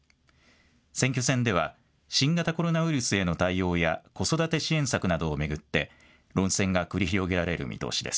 選挙戦では新型コロナウイルスへの対応や子育て支援策などを巡って論戦が繰り広げられる見通しです。